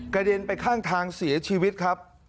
เด็นไปข้างทางเสียชีวิตครับ